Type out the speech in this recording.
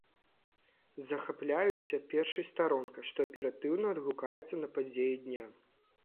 Захапляюся першай старонкай, што аператыўна адгукаецца на падзеі дня.